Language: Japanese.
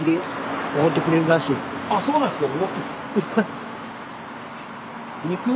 あっそうなんですか。